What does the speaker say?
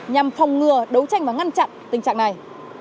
nhằm phòng ngừa đấu tranh và ngăn chặn tình trạng này